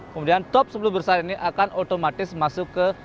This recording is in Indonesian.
kemudian top sepuluh besar ini akan otomatis masuk ke